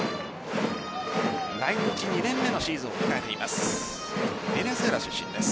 来日２年目のシーズンを迎えています。